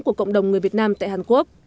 của cộng đồng người việt nam tại hàn quốc